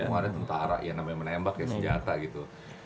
emang ada tentara yang namanya menembak ya senjata gitu